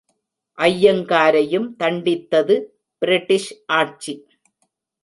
ஐயங்காரையும் தண்டித்தது பிரிட்டிஷ் ஆட்சி.